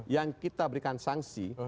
yang kita berikan sanksi